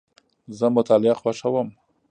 زه مطالعه خوښوم.